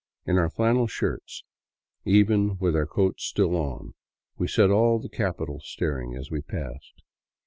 In our flannel shirts, even with our coats still on, we set all the capital staring as we passed.